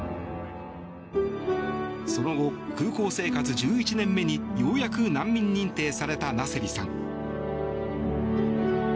その後、空港生活１１年目にようやく難民認定されたナセリさん。